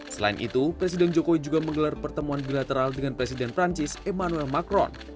selain itu presiden jokowi juga menggelar pertemuan bilateral dengan presiden perancis emmanuel macron